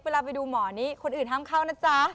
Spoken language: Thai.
เวลาไปดูหมอนี้คนอื่นห้ามเข้านะจ๊ะ